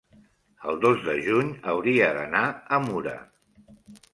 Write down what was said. el dos de juny hauria d'anar a Mura.